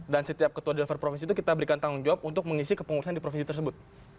dan setiap ketua di level provinsi itu kita berikan tanggung jawab untuk mengisi kepengurusan di provinsi tersebut